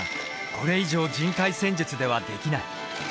これ以上人海戦術ではできない。